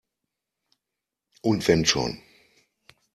Und wenn schon!